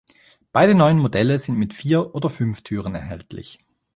Beide neuen Modelle sind mit vier oder fünf Türen erhältlich.